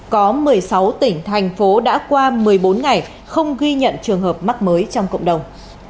có một mươi sáu tỉnh thành phố đã qua một mươi bốn ngày không ghi nhận trường hợp mắc mới trong cộng đồng